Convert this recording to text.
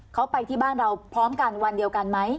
เขาไปที่บ้านเราพร้อมกันวันเดียวกันไหม